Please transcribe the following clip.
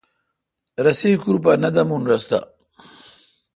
رسی ایکور پہ نہ دامون رس دا۔